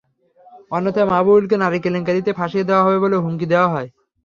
অন্যথায় মাহবুবুলকে নারী কেলেঙ্কারিতে ফাঁসিয়ে দেওয়া হবে বলে হুমকি দেওয়া হয়।